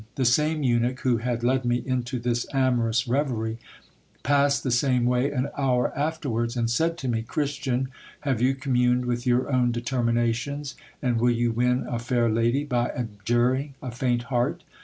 The same eunuch who had led me into this amorous reverie passed the same way an hour afterwards, and said to me : Christian, have you communed with your own determinations, and will you win a fair lady, by abjuring a faint heart